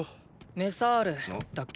メサールだっけ？